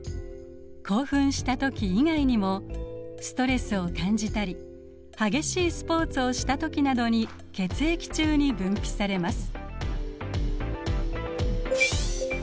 興奮した時以外にもストレスを感じたり激しいスポーツをした時などに血液中に分泌されます。